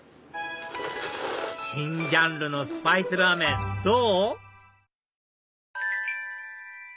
新ジャンルのスパイスラーメンどう？